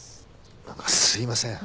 何かすいません。